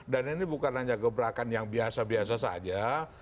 dan ini bukan hanya gebrakan yang biasa biasa saja